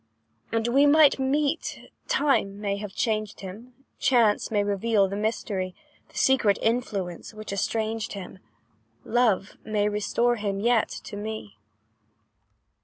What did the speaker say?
"And we might meet time may have changed him; Chance may reveal the mystery, The secret influence which estranged him; Love may restore him yet to me.